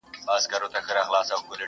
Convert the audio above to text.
په څپلیو کي یې پښې یخی کيدلې,